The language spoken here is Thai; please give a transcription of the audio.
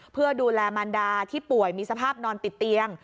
เพื่อดูแลมันดาที่ป่วยมีสภาพนอนติดเตียง